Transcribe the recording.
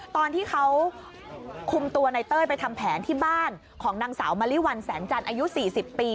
ตอนที่เขาคุมตัวในเต้ยไปทำแผนที่บ้านของนางสาวมะลิวัลแสงจันทร์อายุ๔๐ปี